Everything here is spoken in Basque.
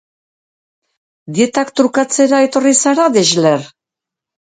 Dietak trukatzera etorri zara, Drexler?